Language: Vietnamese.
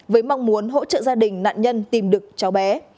với mong muốn hỗ trợ gia đình nạn nhân tìm được cháu bé